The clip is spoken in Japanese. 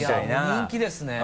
人気ですね。